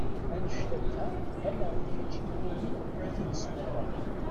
Annect-a akk ala i kečč iwumi i t-id-smareɣ.